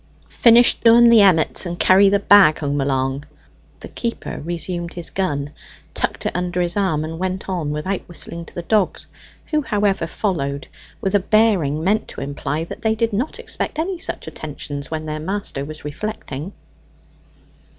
"Finish doing the emmets, and carry the bag home along." The keeper resumed his gun, tucked it under his arm, and went on without whistling to the dogs, who however followed, with a bearing meant to imply that they did not expect any such attentions when their master was reflecting.